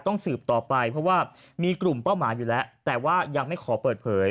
สืบต่อไปเพราะว่ามีกลุ่มเป้าหมายอยู่แล้วแต่ว่ายังไม่ขอเปิดเผย